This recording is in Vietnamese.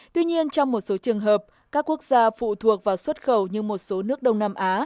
tuy nhiên trong một số trường hợp các quốc gia phụ thuộc vào xuất khẩu như một số nước đông nam á